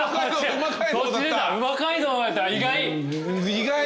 意外！